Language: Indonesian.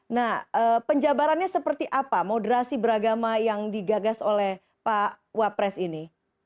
nah penjabarannya seperti apa moderasi beragama yang digagas oleh pak wapres ini